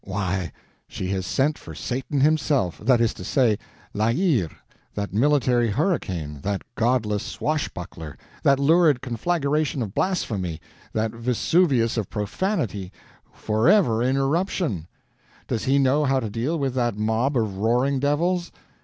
Why, she has sent for Satan himself—that is to say, La Hire—that military hurricane, that godless swashbuckler, that lurid conflagration of blasphemy, that Vesuvius of profanity, forever in eruption. Does he know how to deal with that mob of roaring devils?